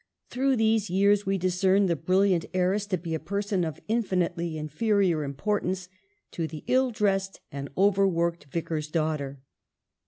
Through these years we discern the brilliant heiress to be a person of infinitely inferior importance to the ill dressed and overworked Vicar's daughter.